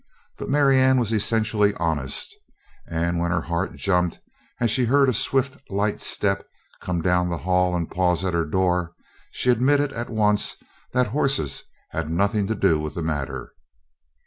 But Marianne was essentially honest and when her heart jumped as she heard a swift, light step come down the hall and pause at her door, she admitted at once that horses had nothing to do with the matter.